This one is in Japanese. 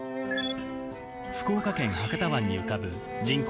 福岡県博多湾に浮かぶ人口